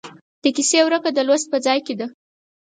د کیسې ورکه د لوست په ځای کې ده.